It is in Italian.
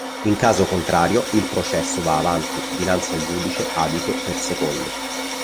In caso contrario, il processo va avanti dinanzi al giudice adito per secondo.